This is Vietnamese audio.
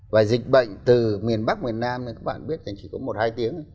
và dịch bệnh từ miền bắc miền nam thì các bạn biết là chỉ có một hai tiếng thôi